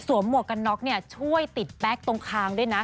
หมวกกันน็อกเนี่ยช่วยติดแป๊กตรงคางด้วยนะ